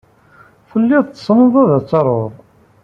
Telliḍ tessneḍ ad taruḍ.